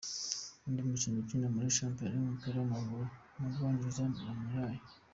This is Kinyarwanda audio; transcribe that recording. Undi mukinnyi ukina muri shampiyona y'umupira w'amaguru mu Bwongereza , ni Mahrez.